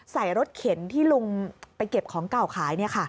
ใส่รถเข็นที่ลุงไปเก็บของเก่าขาย